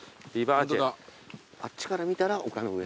あっちから見たら丘の上。